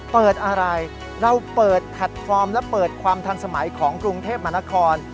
เปิดอะไรเราเปิดแพลตฟอร์มและเปิดความทันสมัยของกรุงเทพมนคร